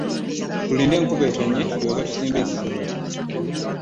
Tulinde enkuba etonnye tulyoke tusimbe ensigo zaffe.